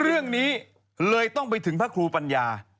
เรื่องนี้เลยต้องไปถึงพระครูปัญญา